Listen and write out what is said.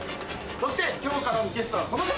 そして今日からのゲストはこの方！